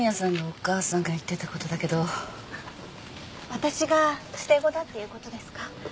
私が捨て子だっていうことですか？